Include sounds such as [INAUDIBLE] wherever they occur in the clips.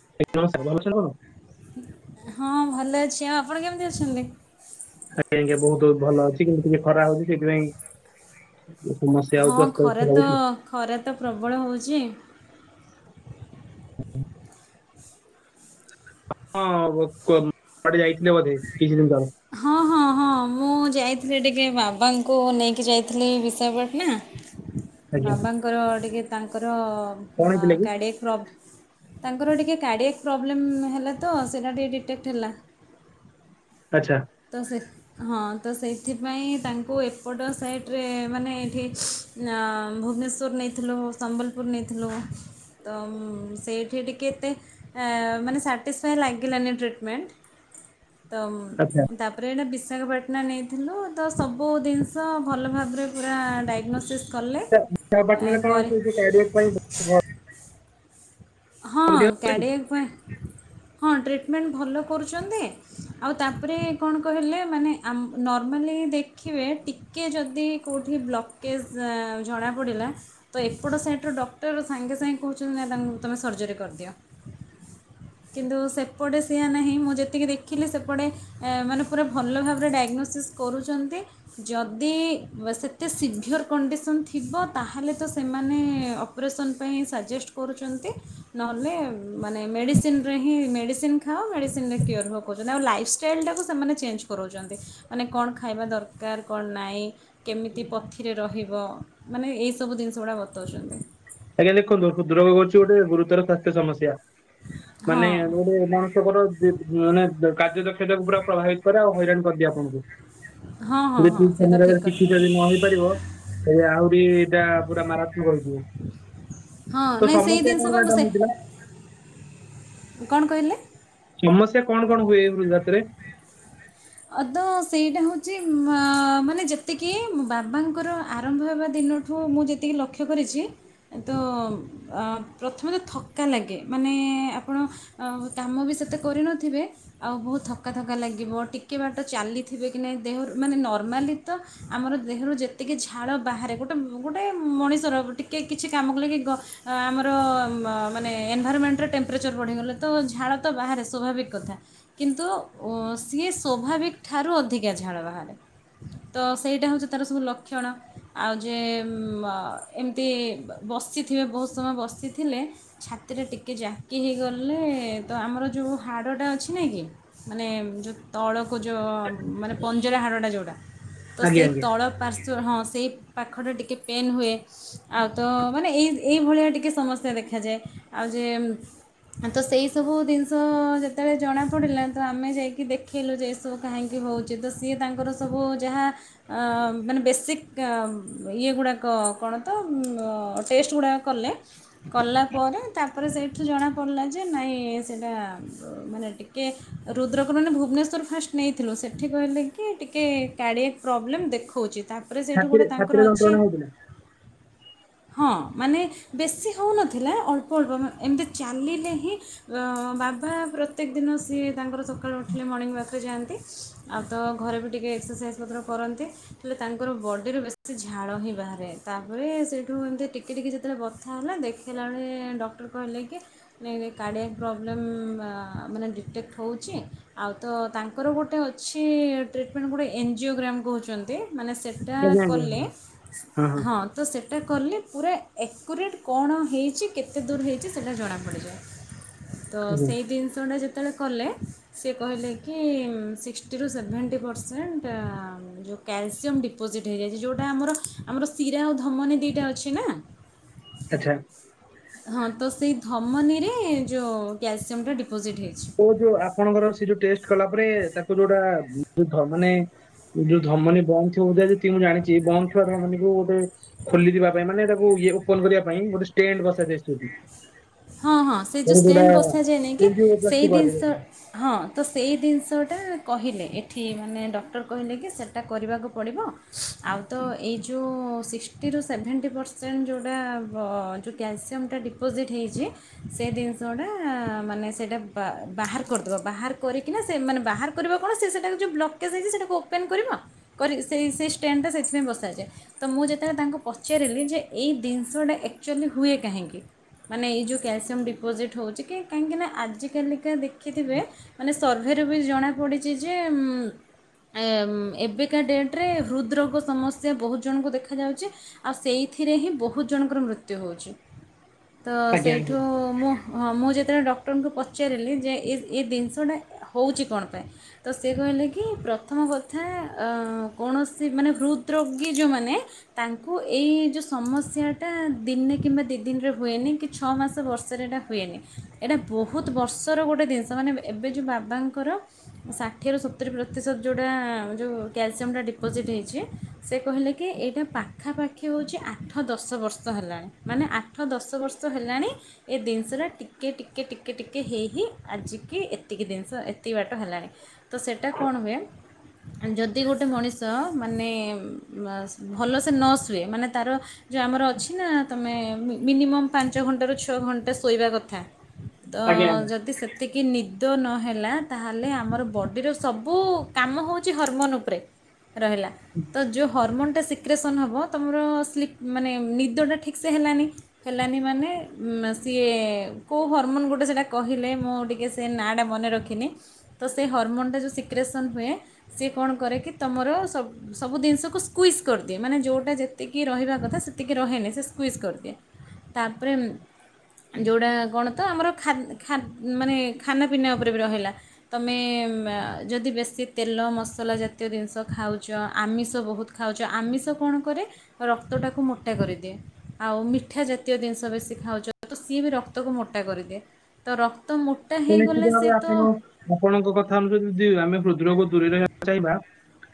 [UNINTELLIGIBLE] ହଁ ଭଲ ଅଛି। ଆଉ ଆପଣ କେମିତି ଅଛନ୍ତି? ଆଜ୍ଞା ଆଜ୍ଞା ବହୁତ ଭଲ ଅଛି କିନ୍ତୁ ଟିକେ ଖରା ହଉଚି ସେଇଥିପାଇଁ ସମସ୍ୟା ହଉଚି ହଁ ଖରା ଅସ୍ତବ୍ୟସ୍ତ ତ ଲାଗୁଛି। ଖରା ତ ପ୍ରବଳ ହଉଚି। ଉଁ ହୁଁ। ହଁ କୁଆଡେ ଯାଇଥିଲେ ବୋଧେ କିଛି ଦିନ ତଳେ? ହଁ ହଁ ହଁ ହଁ ମୁଁ ଯାଇଥିଲି ଟିକେ ବାବାଙ୍କୁ ନେଇକି ଯାଇଥିଲି ବିଶାଖାପାଟନା ଆଜ୍ଞା ବାବାଙ୍କର ଅ ଟିକେ ତାଙ୍କର କଣ ଅ ହେଇଥିଲା କି? କାଡ଼ିଆ ପ୍ରବ୍ ତାଙ୍କର ଟିକେ କାଡ଼ିଆକ୍ ପ୍ରୋବ୍ଲେମ୍ ହେଲା ତ ସେଇଟା ଟିକେ ଡିଟେକ୍ଟ ହେଲା। ଆଚ୍ଛା। ତ ସେ ହଁ ତ ସେଇଥିପାଇଁ ତାଙ୍କୁ ଏପଟ ସାଇଟରେ ମାନେ ଏଠି ହଁ ଭୁବନେଶ୍ୱର ନେଇଥିଲୁ, ସମ୍ବଲପୁର ନେଇଥିଲୁ ତ ଅଁ ସେଇଠି ଟିକେ ଏତେ ଏଁ ମାନେ ସାଟିସ୍ଫାଏ ଲାଗିଲାନି ଟ୍ରିଟମେଣ୍ଟ ତ ମ ଆଚ୍ଛା। ତାପରେ ଏଇନା ବିଶାଖାପାଟଣା ନେଇଥିଲୁ ତ ସବୁ ଦିନିଷ ଭଲ ଭାବରେ ପୁରା ଡାଇଗ୍ନୋସିସ୍ କଲେ ଆଛା ଏ, ବିଶାଖାପାଟଣା ରେ କଣ କରି ସେ ଯଉ [UNINTELLIGIBLE] ପାଇଁ ଭ ହଁ ଅଁ ଦିଆହଉଛି ଟି? କାଡ଼ିଆକ୍ଟ ପାଇଁ ହଁ ଟ୍ରିଟମେଣ୍ଟ ଭଲ କରୁଛନ୍ତି ଆଉ ତାପରେ କଣ କହିଲେ ମାନେ ଆମ ନର୍ମାଲି ଦେଖିବେ ଟିକେ ଯଦି କେଉଠି ବ୍ଲକେଜ ଅଁ ଜଣାପଡ଼ିଲା ତ ଏପଟ ସାଇଟ ଡକ୍ଟର ସାଙ୍ଗେ ସାଙ୍ଗେ କହୁଛନ୍ତି ନାଇଁ ତାଙ୍କୁ ତୁମେ ସର୍ଜରୀ କରିଦିଅ। କିନ୍ତୁ ସେପଟେ ସେଆ ନାହିଁ ମୁଁ ଯେତିକି ଦେଖିଲି ସେପଟେ ଏ ମାନେ ପୁରା ଭଲ ଭାବରେ ଡାଇଗ୍ନୋସିସ୍ କରୁଚନ୍ତି ଯଦି ସେତେ ସିଭିଅର୍ କଣ୍ଡିସନ୍ ଥିବ ତାହେଲେ ତ ସେମାନେ ଅ ଅପରେସନ ପାଇଁ ସାଜେଷ୍ଟ କରୁଚନ୍ତି ନହେଲେ ମାନେ ମେଡ଼ିସିନ ରେ ହିଁ ମେଡ଼ିସିନ ଖାଅ ମେଡ଼ିସିନ କ୍ୟୋର ହୁଅ କହୁଚନ୍ତି ଆଉ ଲାଇଫ ଷ୍ଟାଇଲଟାକୁ ସେମାନେ ଚେଞ୍ଜ କରଉଚନ୍ତି ମାନେ କଣ ଖାଇବା ଦର କଣ ନାଇଁ କେମିତି ପଥି ରେ ରହିବ ମାନେ ଏଇସବୁ ଜିନିଷ ଗୁଡ଼ା ବତଉଛନ୍ତି। ଆଜ୍ଞା ଦେଖନ୍ତୁ ହୃଦ ରୋଗ ହଉଚି ଗୋଟେ ଗୁରୁତର ସ୍ୱାସ୍ଥ୍ୟ ସମସ୍ୟା ହଁ ମାନେ ଗୋଟେ ଲୋକଙ୍କର ମାନେ କାର୍ଯ୍ୟ ଦକ୍ଷତାକୁ ପୁରା ପ୍ରଭାବିତ କରେ ଆଉ ହଇରାଣ କରିଦିଏ ଆପଣଙ୍କୁ। [INAUDIBLE] ଯଦି ହଁ ସେ ଠିକ ତ ସମୟ ଠିକ୍ କଥା ଚିକିତ୍ସା ଯଦି ନ ହେଇ ପାରିବ ଏ ଆହୁରି ଏଇଟା ପୁରା ମାରାତ୍ମକ ହେଇଯିବ। ହଁ ତ ନାଇଁ ସେଇ ସମସ୍ୟା କଣ ଦିନିଷ ପା ମୁଁ ମ୍ୟାଡାମ ସେ ହେଇଥିଲା? କଣ କହିଲେ ସମସ୍ୟା କଣ କଣ ହୁଏ ହୃଦଘାତରେ? ଅଦ ସେଇଟା ହଉଛି ମା ମାନେ ଯେତିକି ବାବାଙ୍କର ଆରମ୍ଭ ହେବା ଦିନ ଠୁ ମୁଁ ଯେତିକି ଲକ୍ଷ୍ୟ କରିଛି। ତ ପ୍ରଥମେ ତ ଥକ୍କା ଲାଗେ ମାନେ ଆପଣ ଆଉ କାମ ବି ସେତେ କରିନଥିବେ ଆଉ ବହୁତ ଥକା ଥକା ଲାଗିବ ଟିକେ ବାଟ ଚାଲିଥିବେ। କି ନା ଦେହରୁ ମାନେ ନର୍ମାଲି ତ ଆମର ଦେହରୁ ଯେତିକି ଝାଳ ବାହାରେ ଗୋଟେ ଗୋଟେ ମଣିଷର ଟିକେ କିଛି କାମ କଲେ କି ଗ ଆମର ମ ମାନେ ଏନଭାଇରମେଣ୍ଟର ଟେମ୍ପରେଚର୍ ବଢ଼ିଗଲେ ତ ଝାଳ ତ ବାହାରେ ସ୍ୱାଭାବିକ କଥା। କିନ୍ତୁ ଉଁ ସିଏ ସ୍ୱାଭାବିକ ଠାରୁ ଅଧିକା ଝାଳ ବାହାରେ। ତ ସେଇଟା ହଉଛି ତାର ସବୁ ଲକ୍ଷଣ। ଆଉ ଯେ ମ ଏମିତି ବସିଥିବେ ବହୁତ ସମୟ ବସିଥିଲେ। ଛାତିଟା ଟିକେ ଜାକି ହେଇଗଲେ ତ ଆମର ଯୋଉ ହାଡ଼ଟା ଅଛି ନାଁ କି? ମାନେ ଯ ତଳକୁ ଯୋଉ ମାନେ ପଞ୍ଜରା ହାଡ଼ଟା ଯୋଉଟା ତ ଆଜ୍ଞା ସେଇ ଆଜ୍ଞା ତଳ ପାର୍ଶ୍ ହଁ ସେଇ ପାଖରେ ଟିକେ ପେନ୍ ହୁଏ ଆଉ ତ ମାନେ ଏଇ ଏଇ ଭଳିଆ ଟିକେ ସମସ୍ୟା ଦେଖାଯାଏ ଆଉ ଯେ ତ ସେଇ ସବୁ ଜିନିଷ ଯେତେବେଳେ ଜଣାପଡ଼ିଲା ତ ଆମେ ଯାଇକି ଦେଖ ଖେଲୁ ଯେ ଏସବୁ କାହିଁକି ହଉଛି ତ ସିଏ ତାଙ୍କର ସବୁ ଯାହା ଅ ମାନେ ବେସିକ୍ କ ଇଏ ଗୁଡ଼ାକ କଣ ତ ଉଁ ଟେଷ୍ଟ ଗୁଡ଼ାକ କଲେ। କଲା ପରେ ତାପରେ ସେଇଠୁ ଜଣାପଡ଼ିଲା ଯେ ନାଇଁ ସେଇଟା ମାନେ ଟିକେ ରୁଦ୍ରକ ମାନେ ଭୁ ଭୁବନେଶ୍ୱର ଫାଷ୍ଟ ନେଇଥିଲୁ ସେଠି କହିଲେ କି ଟିକେ କାଡ଼ିଆକ ପ୍ରୋବ୍ଲେମ୍ ଦେଖାଉଚି ତାପରେ ସେଇଠୁ ଛାତିରେ ଗୋଟେ ଛାତିରେ ତାଙ୍କର ଅଛି। ଯନ୍ତ୍ରଣା ହଉଥିଲା? ହଁ ମାନେ ବେଶୀ ହଉନଥିଲା ଅଳ୍ପ ଅଳ୍ପ ଏମିତି ଚାଲିଲେ ହିଁ। ବାବା ପ୍ରତ୍ୟେକ ଦିନ ସିଏ ତାଙ୍କର ସକାଳୁ ଉଠ। ହେଲେ ମର୍ଣ୍ଣିଂ ୱାକ ଯାଆନ୍ତି ଆଉ ତ ଘରେ ବି ଟିକେ ଏକ୍ସରସାଇଜ୍ ମଧ୍ୟ କରନ୍ତି ହେଲେ ତାଙ୍କର ବଡ଼ିରେ ବ। ସେ ଝାଳ ହିଁ ବାହାରେ ତାପରେ ସେଇଠୁ ଏମିତି ଟିକେ ଟିକେ ଯେତେବେଳେ ବଥା ହେଲା ଦେଖେଇଲା ବେଳେ ଡକ୍ଟର। କହିଲେ କି ମାନେ କାଡ଼ିଆ ପ୍ରୋବ୍ଲେମ୍ ମାନେ ଡିଟେକ୍ଟ ହଉଛି। ଆଉ ତ ତାଙ୍କର ଗୋଟେ ଅଛି ଟ୍ରିଟମେଣ୍ଟ ଗୋଟେ ଏନ୍ଜିଓ ଗ୍ରାମ୍ କହୁଛନ୍ତି ମାନେ ସେ। ଏଟା ଆଜ୍ଞା ଆଜ୍ଞା ଆଜ୍ଞା। କଲେ ହଁ। ତ ସେଇଟା କଲେ ପୁରା ଏକୁରେଟ୍ କଣ ହେଇଛି କେତେ ଦୂର ହେଇଛି ସେଇଟା ଜଣାପଡ଼ିଯାଏ। ତ ଆଜ୍ଞା ସେଇ ଜିନିଷ ଟା ଯେତେବେଳେ କଲେ। ସେ କହିଲେ କି ସିକ୍ସଟିରୁ ସେଭେଣ୍ଟି ପରସେଣ୍ଟ। ଯୋଉ କ୍ୟାଲସିୟମ୍ ଡିପୋଜିଟ୍ ହେଇଯାଇଛି ଯୋଉଟା ଆମର ଆମର ଶିରା ଆଉ ଧମନୀ ଦିଟା ଅଛି ନା। [UNINTELLIGIBLE] ଆଚ୍ଛା। ହଁ ତ ସେଇ ଧମନୀରେ ଯୋଉ କ୍ୟାଲସିୟମଟା ଡିପୋଜିଟ୍ ହେଇଛି। ଓ ହୋ ଆପଣଙ୍କର ସେ ଯୋଉ ଟେଷ୍ଟ କଲା ପରେ ତାକୁ ଯୋଉଟା ଧମନୀ। ଯୋଉ ଧମନୀ ବନ୍ଦ ଥିବ ବୋଧେ ଯେତିକି ମୁଁ ଜାଣିଛି ବନ୍ଦ ଥିବା ଧମନୀକୁ ଗୋଟେ। ଖୋଲିିଯିବା ପାଇଁ ମାନେ ତାକୁ ଇଏ ଓପନ କରିବା ପାଇଁ ଗୋଟେ ଷ୍ଟେଣ୍ଡ ବସାଯାଏ ସେଠି। ହଁ ହଁ ସେ ଯୋଉ ଷ୍ଟେଣ୍ଡ ବସାଯାଏ ନି କି ଏଞ୍ଜିଓପ୍ଲାଷ୍ଟି ସେଇ କୁହାଯାଏ। ଜିନିଷ। ହଁ ତ ସେଇ ଜିନିଷଟା କହିଲେ ଏଠି ମାନେ ଡକ୍ଟର କହିଲେ କି ସେଇଟା କରିବାକୁ ପଡ଼ିବ। ଆଉ ତ ଏଇ ଯୋଉ ସିସ୍। ଷ୍ଟିରୁ ସେଭେଣ୍ଟି ପରସେଣ୍ଟ ଯୋଉଟା ଯୋଉ କ୍ୟାଲସିୟମଟା ଡିପୋଜିଟ୍ ହେଇଛି। ସେ ଜିନିଷ ଗୁଡ଼ା ମାନେ ସେଇଟା ବା ବାହାର କରିଦେବା ବାହାର କରିକିନା ସେ ମାନେ ବାହାର। କରିବା କଣ ସିଏ ସେଇଟାକୁ ଯୋଉ ବ୍ଲକେଜ୍ ହେଇଛି ସେଇଟାକୁ ଓପେନ କରିବ କରିକି ସେଇ ସେଇ ଷ୍ଟେନଟା ସେଥିରେ ବସାଯାଏ। ତ ମୁଁ ଯେତେବେଳେ ତାଙ୍କୁ ପଚାରିଲି ଯେ ଏଇ ଜିନିଷଟା ଆକ୍ଚୁଆଲି ହୁଏ କାହିଁକି। ମାନେ ଏଇ ଯୋଉ କ୍ୟାଲସିୟମ୍ ଡିପୋଜିଟ୍ ହଉଛି କି କାହିଁକିନା ଆଜିକାଲିକା ଦେଖିଥିବେ ମାନେ। ସର୍ଭେରୁ ବି ଜଣାପଡ଼ିଛି ଯେ ଉଁ ଏଁ ଏବେ। ଆଜିକା ଡେଟେରେ ହୃଦରୋଗ ସମସ୍ୟା ବହୁତ ଜଣଙ୍କୁ ଦେଖାଯାଉଛି। ଆଉ ସେଇଥିରେ ହିଁ ବହୁତ ଜଣଙ୍କର ମୃତ୍ୟୁ ହଉଛି ତ ଆଜ୍ଞା ଆଜ୍ଞା ସେଇଠୁ ମୁଁ। ହଁ ମୁଁ ଯେତେବେଳେ ଡକ୍ଟରଙ୍କୁ ପଚାରିଲି ଯେ ଏ ଜିନିଷଟା ହେଉଛି କଣ ପାଇଁ। ତ ସେ କହିଲେ କି ପ୍ରଥମ କଥା କୌଣସି ମାନେ ହୃଦ ରୋଗୀ ଯେଉଁମାନେ। ତାଙ୍କୁ ଏଇ ଯୋଉ ସମସ୍ୟାଟା ଦିନେ କିମ୍ବା ଦି ଦିନରେ। ହୁଏନି କି ଛଅ ମାସ ବର୍ଷରେ ଏଇଟା ହୁଏନି ଏଇଟା ବହୁତ ବର୍ଷର ଗୋଟେ ଜିନିଷ ମାନେ। ଏବେ ଯେଉଁ ବାବାଙ୍କର। ଷାଠିଏରୁ ସତୁରିୀ ପ୍ରତିଶତ ଯେଉଁଟା ଯେଉଁ କ୍ୟାଲସିୟମଟା ଡିପୋଜିଟ୍ ହେଇଛି। ସେ କହିଲେ କି ଏଇଟା ପାଖାପାଖି ହେଉଛି ଆଠ ଦଶ ବର୍ଷ ହେଲାଣି ମାନେ। ଆଠ ଦଶ ବର୍ଷ ହେଲାଣି। ଏ ଜିନିଷଟା ଟିକେ ଟିକେ ଟିକେ ଟିକେ ହେଇ ହି ଆଜିକି ଏତିକି ଜିନିଷ ଏତିକି ବାଟ ହେଲାଣି। ତ ସେଇଟା କଣ ହୁଏ। ଯଦି ଗୋଟେ ମଣିଷ ମାନେ ଭଲସେ ନ ଶୁଏ ମାନେ ତାର। ଯେ ଆମର ଅଛି ନା ତମେ। ମିନିମମ୍ ପାଞ୍ଚ ଘଣ୍ଟାରୁ ଛଅ ଘଣ୍ଟା ଶୋଇବା କଥା ତ ଆଜ୍ଞା ଆଜ୍ଞା ଯଦି ସେ। ଯେତିକି ନିଦ ନହେଲା ତାହେଲେ ଆମର ବଡ଼ିର ସବୁ କାମ ହେଉଛି ହର୍ମୋନ୍ ଉପରେ। ରହିଲା ତ ଯୋଉ ହରମୋନ୍ଟା ଶ। ଡିକସନ୍ ହେବ ତମର ସ୍ଲିପ୍ ମାନେ ନିଦଟା ଠିକ୍ ସେେ ହେଲାନି। ହେଲାନି ମାନେ ସିଏ କେଉଁ ହରମୋନ୍ ଗୋଟେ ସେଇଟା କହିଲେ ମୁଁ ଟିକେ। ଟିକଏ ସେ ନାଁଟା ମନେ ରଖିନି ତ ସେ ହର୍ମୋନ୍ଟା ଯେଉଁ ସିକ୍ରେସନ୍ ହୁଏ। ସିଏ କଣ କରେ କି ତମର ସବ ସବୁ ଜିନିଷକୁ ସ୍କୁଇସ୍ କରିଦିଏ ମାନେ ଯେଉଁଟା ଯେତିକି ରହିବା କଥା ସେତିକି ରହେନି ସେ ସ୍କୁଇସ୍ କରିଦିଏ। ତାପରେ ଯେଉଁଟା କଣ ତ ଆମର ଖା ନା ମାନେ ଖାନାପିନା ଉପରେ ବି ରହିଲା। ତମେ ଯଦି ବେଶୀ ତେଲ ମସଲା ଜାତୀୟ ଜିନିଷ ଖାଉଛ ଆମିଷ ବହୁତ ଖାଉଛ ଆମିଷ କଣ କରେ ରକ୍ତଟାକୁ ମୋଟା କରିଦିଏ ଆଉ ମିଠ ମିଠା ଜାତୀୟ ଜିନିଷ ବେଶୀ ଖାଉଛ ତ ସିଏ ବି ରକ୍ତକୁ ମୋଟା କରିଦିଏ। ତ ରକ୍ତ ମୋଟା ତ ନିଶ୍ଚିତ ହେଇଗଲେ ଭାବେ ସେ ଆପଣ ତ ଆପଣଙ୍କ କଥା ଅନୁଯାରେ ଯଦି ଆମେ ହୃଦୟକୁ ଦୂରେଇ ରହିବାକୁ ଚାହିବା।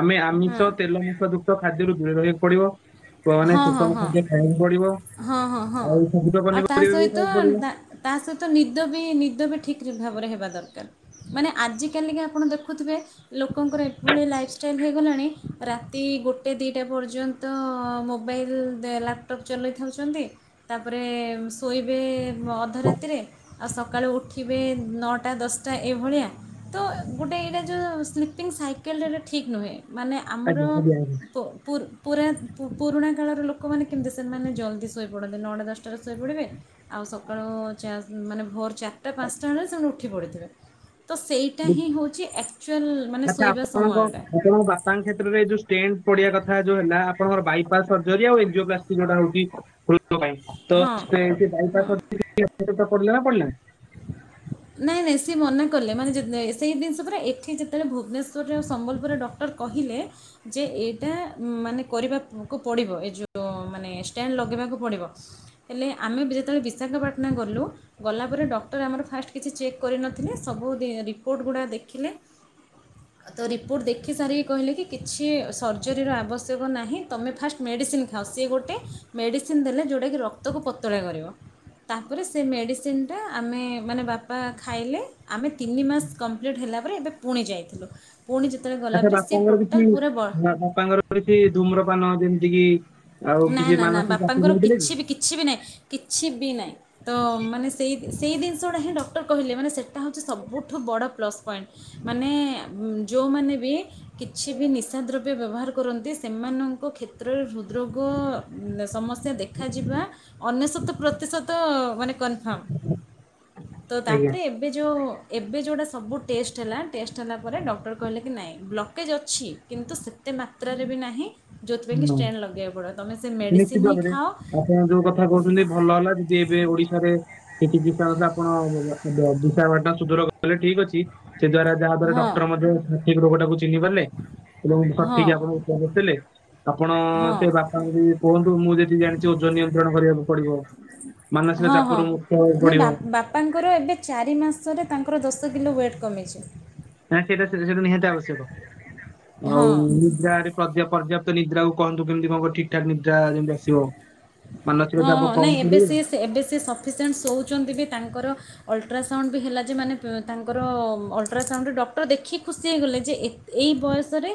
ଆମେ ହଁ ଆମିଷ ତେଲ ମସଲା ଯୁକ୍ତ ଖାଦ୍ୟରୁ ଦୂରେ ରହିବାକୁ ପଡିବ ପୁ ମାନେ ହଁ ହଁ ସୁଷମ ହଁ ଖାଦ୍ୟ ଖାଇବାକୁ ପଡିବ। ହଁ ହଁ ହଁ ଆଉ ସବୁଜ ଆଉ ତା ପନିପରିବା ବି ସହିତ ଖାଇବାକୁ ପଡିବ ତା ତା ସହିତ ନିଦ ବି ନିଦ ବି ଠିକ୍ ଭାବରେ ହେବା ଦରକାର। ମାନେ ଆଜିକାଲିକା ଆପଣ ଦେଖୁଥିବେ? ଲୋକଙ୍କର ଏଭଳି ଲାଇଫଷ୍ଟାଇଲ ହେଇଗଲାଣି ରାତି ଗୋଟେ ଦିଟା ପର୍ଯ୍ୟନ୍ତ ତ ମୋବାଇଲ ଲ୍ୟାପଟପ୍। ଚଲେଇଥାଉଛନ୍ତି ତାପରେ ଶୋଇବେ ଅଧ ରାତିରେ। ଆଉ ସକାଳୁ ଉଠିବେ ନଅଟା ଦଶଟା ଏଇଭଳିଆ। ତ ଗୋଟେ ଏଇଟା ଯେଉଁ ସ୍ଲିପିଙ୍ଗ ସାଇକେଲଟା ଠିକ୍ ନୁହେଁ ମାନେ ଆମର ଆଜ୍ଞା ଆଜ୍ଞା ଆଜ୍ଞା ପୁ ପୁ ପୁ ପୁରୁଣା କାଳର ଲୋକମାନେ କେମିତି ସେମାନେ ଜଲ୍ଦି ଶୋଇପଡ଼ନ୍ତି ନଅଟେ ଦଶଟାରେ ଶୋଇପଡ଼ିବେ ଆଉ ସକାଳୁ ଚା ମାନେ ଭୋର ଚାରିଟା ପାଞ୍ଚଟା ବେଳେ ସେମାନେ ଉଠି ପଡ଼ିଥିବେ। ତ ସେଇଟା ହିଁ ହେଉଛି ଆକ୍ଚୁଆଲ୍ ମାନେ ଶୋଇବା ସମୟଟା। ତାଙ୍କ କ୍ଷେତ୍ରରେ ଯୋଉ ଷ୍ଟଣ୍ଡ ପଡିିବା କଥା ଯୋଉ ହେଲା ଆପଣଙ୍କର ବାଇପା ସର୍ଜରି ଆଉ ଏଜି୍ ଯଉଟା ହଉଛି। ହଁ ହଁ [INAUDIBLE] ନାଇଁ ନାଇଁ ସିଏ ମନା କଲେ ମାନେ ସେଇ ଜିନିଷ ପୁରା ଏଠି ଯେତେବେଳେ ଭୁବନେଶ୍ୱରରେ ଆ ସମ୍ବଲପୁରରେ ଡକ୍ଟର କହିଲେ ଯେ ଏଇଟା ମାନେ କରିବାକୁ ପଡ଼ିବ ଏ ଯୋଉ ମାନେ ଷ୍ଟାଣ୍ଡ ଲଗେଇବାକୁ ପଡ଼ିବ। ହେଲେ ଆମେ ଯେତେବେଳେ ବିଶାଖାପାଟଣା ଗଲୁ ଗଲା ପରେ ଡକ୍ଟର ଆମର ଫାଷ୍ଟ କିଛି ଚେକ୍ କରିନଥିଲେ ସବୁ ରିପୋର୍ଟ ଗୁଡ଼ା ଦେଖିଲେ। ତ ରିପୋର୍ଟ ଦେଖି ସାରିକି କହିଲେ କି କିଛି ସର୍ଜରୀର ଆବଶ୍ୟକ ନାହିଁ ତମେ ଫାଷ୍ଟ ମେଡ଼ିସିନ ଖାଅ ସିଏ ଗୋଟେ ମେଡ଼ିସିନ ଦେଲେ ଯୋଉଟାକି ରକ୍ତକୁ ପତଳା କରିବ। ତାପରେ ସେ ମେଡ଼ିସିନ ଟା ଆମେ ମାନେ ବାପା ଖାଇଲେ। ଆମେ ତିନି ମାସ କମ୍ପ୍ଲିଟ୍ ହେଲା ପରେ ଏବେ ପୁଣି ଯାଇଥିଲୁ। ପୁଣି ଯେତେବେଳେ ଗଲା ପରେ ସେ ଟୋଟାଲ୍ ପୁରା ବ ତମ ବାପାଙ୍କର ଧୁମ୍ର ପାନ ଯେମିତି କିି ଆଉ ନା କିଛି ନା ନା ମାନସିକ ଚାପ ବାପାଙ୍କର ନଉଥିଲେ କିଛି କି। ବି କିଛି ବି ନାହିଁ। କିଛି ବି ନାହିଁ। ତ ମାନେ ସେଇ ସେଇ ଜିନିଷ ଟା ହିଁ ଡକ୍ଟର କହିଲେ ମାନେ ସେଇଟା ହେଉଛି ସବୁଠୁ ବଡ଼ ପ୍ଲସ୍ ପଏଣ୍ଟ। ମାନେ ଯୋଉମାନେ ବି କିଛି ବି ନିଶା ଦ୍ରବ୍ୟ ବ୍ୟବହାର କରନ୍ତି। ସେମାନଙ୍କ କ୍ଷେତ୍ରରେ ହୃଦ୍ ରୋଗ ଗ ସମସ୍ୟା ଦେଖାଯିବା ଅନେଶତ ପ୍ରତିଶତ ମାନେ କ ହଁ, ତ ତାପରେ। ଏବେ ଯୋଉ ଏବେ ଯୋଉଟା ସବୁ ଟେଷ୍ଟ ହେଲା ଟେଷ୍ଟ ହେଲା ପରେ ଡକ୍ଟର କହିଲେ କି ନାଇଁ ବ୍ଲକେଜ୍ ଅଛି। କିନ୍ତୁ ସେତେ ମାତ୍ରାରେ ବି ନାହିଁ ଯୋଉଥିପାଇଁ କି ଆଜ୍ଞା ଷ୍ଟେନ୍ ଲଗେଇବା ବଡ଼ପା ତମେ ସେ ନିଶ୍ଚିତ ମେଡ଼ିସିନ ହିଁ ଭାବରେ ଖାଅ। ଆପଣ ଯୋଉ କଥା କହୁଛନ୍ତି ଭଲ ହେଲା ଦିଦି ଏବେ ଓଡିଶାରେ ସେଠ ବିଶାଖାପାଟଣା ଆପଣ ବିଶାଖପାଟଣା ଟା ସୁଦୁର ଗଲେ ଠିକ ଅଛି। ସେ ଦ୍ଵାରା ଯାହା ଦ୍ଵାରା ହଁ ଡକ୍ଟର ମଧ୍ୟ ସଠିକ ରୋଗ ଟାକୁ ଚିହ୍ନି ପାରିଲେ ଏବଂ ହଁ ସଠିକ ଆପଣଙ୍କୁ ଔଷଧ ଦେଲେ। ଆପଣ ହଁ ସେ ବାପାଙ୍କୁ କୁହନ୍ତୁ ମୁଁ ଯେତିକି ଜାଣିଛି ଓଜନ ନିୟନ୍ତ୍ରଣ କରିବାକୁ ପଡିବ। ମାନସିକ ହଁ ହଁ ଚାପରୁ ମୁକ୍ତି ହେବାକୁ ନାଇଁ ପଡିବ। ବାପାଙ୍କର ଏବେ ଚାରି ମାସରେ ତାଙ୍କର ଦଶ କିଲୋ ୱେଟ୍ କମିଛି। ନା ସେଇଟା ସେଇଟା ନିହାତି ଆବଶ୍ୟକ ଆଉ ହଁ ନିଦ୍ରରେ ପ ପ୍ରଯ୍ୟାପ୍ତ ନିଦ୍ରା କମ କେମିତି କଣ ଠିକଠାକ ନିଦ୍ରା ଯେମିତି ଆସିବ। ମାନସିକ ହଁ, ଚାପ ହଁ, କମ୍ ନାଇଁ ଏବେ ପଡ଼ିବ ସେ ଏବେ ସେ ସଫିସେଣ୍ଟ ଶୋଉଛନ୍ତି ବି ତାଙ୍କର ଅଲଟ୍ରାସାଉଣ୍ଡ ବି ହେଲା ଯେ ମାନେ ତାଙ୍କର ଅଲଟ୍ରାସାଉଣ୍ଡରେ ଡକ୍ଟର ଦେଖିକି ଖୁସି ହେଇଗଲେ ଯେ ଏ ଏଇ ବୟସରେ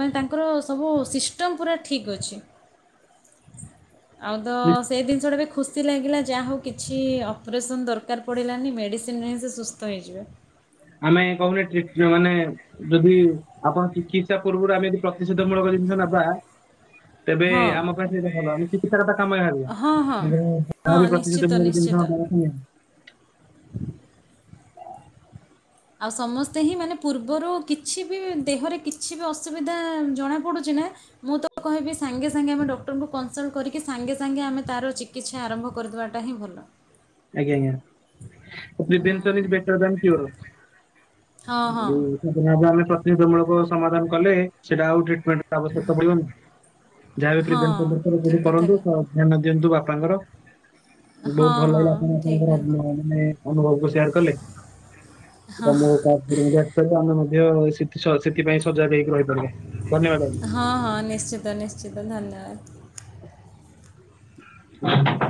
ମାନେ ତାଙ୍କର ସବୁ ସିଷ୍ଟମ୍ ପୁରା ଠିକ୍ ଅଛି। ଆଉ ତ ସେଇ ଜିନିଷଟା ବି ଖୁସି ଲାଗିଲା ଯାହା ହଉ କିଛି ଅପରେସନ୍ ଦରକାର ପଡ଼ିଲାନି ମେଡ଼ିସିନରେ ହିଁ ସେ ସୁସ୍ଥ ସୁସ୍ଥ ହେଇଯିବେ। ଆମେ କହୁନୁ ଯେ ଟି ମାନେ। ଯଦି ଆପଣ ଚିକିତ୍ସା ପୂର୍ବରୁ ଆମେ ଯଦି ପ୍ରତିଷେଧ ମୂଳକ ଜିନିଷ ନେବା [UNINTELLIGIBLE] ତେବେ ଆମ ପାଖ ସେଇଟା ଭଲ। ଚିକିତ୍ସା କଥା କାମ ହଁ ହଁ [INAUDIBLE] ହଁ ତାହା ବି ପ୍ରତିଶତ ନିଶ୍ଚିତ ମୁଁ ଜିନିଷ ନିଶ୍ଚିତ [INAUDIBLE] ଆଉ ସମସ୍ତେ ହିଁ ମାନେ ପୂର୍ବରୁ କିଛି ବି ଦେହରେ କିଛି ବି ଅସୁବିଧା ଜଣାପଡ଼ୁଚି ନା ମୁଁ ତ କହିବି ସାଙ୍ଗେ ସାଙ୍ଗେ ଆମେ ଡକ୍ଟରଙ୍କୁ କନସଲଟ କରିକି ସାଙ୍ଗେ ସାଙ୍ଗେ ଆମେ ତାର ଚିକି ଚିକିତ୍ସା ଆରମ୍ଭ କରିଦେବା ଟା ହିଁ ଭଲ। ଆଜ୍ଞା! ଆଜ୍ଞା! ହୁଁ [INAUDIBLE] ହଁ ହଁ ଆମେ ପ୍ରତିସୁଧ ମୂଳକ ସମାଧାନ କଲେ ସେଟା ଆଉ ଟ୍ରିଟମେଣ୍ଟ ଆବଶ୍ୟକତା ପଡିବ ଯା ଏଥିରେ ହଁ ଠିକ୍ [INAUDIBLE] କଥା କ କରନ୍ତୁ ଧ୍ୟାନ ଦିଅନ୍ତୁ ବାପାଙ୍କର। ହଁ ହଁ ଠିକ୍ କଥା। ଆପଣମାନେ ଅନୁଭବ କରି ସେୟାର କଲେ। ତମ [INAUDIBLE] ଆମେ ମଧ୍ୟ ସେଥିପାଇଁ ସଜାଗ ହେଇକି ରହିପାରିବା ଧନ୍ୟବାଦ ଆଜ୍ଞା। ହଁ ହଁ ନିଶ୍ଚିତ ନିଶ୍ଚିତ ଧନ୍ୟବାଦ। [UNINTELLIGIBLE]